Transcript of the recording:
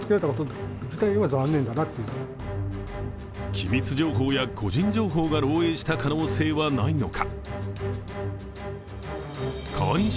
機密情報や個人情報が漏えいした可能性はないのか。